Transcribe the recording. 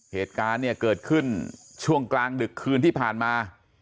เหตุการณ์เนี่ยเกิดขึ้นช่วงกลางดึกคืนที่ผ่านมา